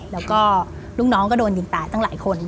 แล้วก็ลูกน้องก็โดนยิงตายตั้งหลายคน